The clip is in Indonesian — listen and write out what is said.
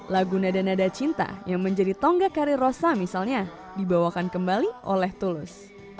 lagu nada nada cinta yang menjadi tonggak karir rosa misalnya dibawakan kembali oleh tulus